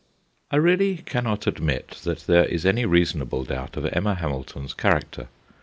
I really cannot admit that there is any reasonable doubt of Emma Hamilton's char acter.